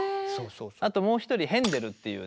あともう一人ヘンデルっていうね